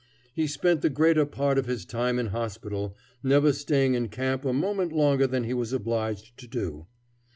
He spent the greater part of his time in hospital, never staying in camp a moment longer than he was obliged to do.